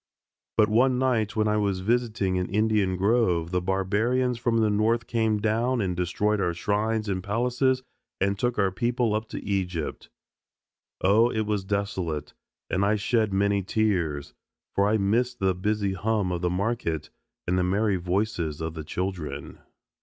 But one night when I was visiting an Indian grove the barbarians from the North came down and destroyed our shrines and palaces and took our people up to Egypt. Oh, it was desolate, and I shed many tears, for I missed the busy hum of the market and the merry voices of the children.